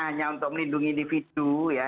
hanya untuk melindungi individu ya